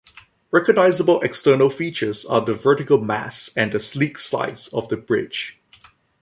Recognisable external features are the vertical mast and the sleek sides of the bridge.